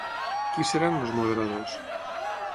Qui seran els moderadors?